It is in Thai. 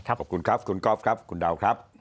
ขอบคุณครับคุณกอล์ฟคุณดาว